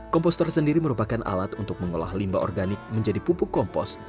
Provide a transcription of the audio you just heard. komposter sendiri merupakan alat untuk mengolah limba organik menjadi pupuk kompos